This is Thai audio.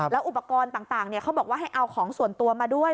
แล้วอุปกรณ์ต่างเขาบอกว่าให้เอาของส่วนตัวมาด้วย